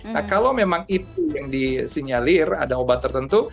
nah kalau memang itu yang disinyalir ada obat tertentu